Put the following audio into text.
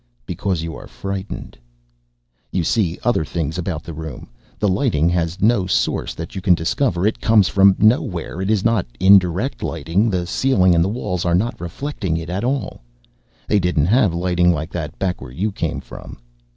Because you are frightened. You see other things about the room. The lighting has no source that you can discover. It comes from nowhere. It is not indirect lighting; the ceiling and the walls are not reflecting it at all. [Illustration: Illustrated by VIDMER] They didn't have lighting like that, back where you came from.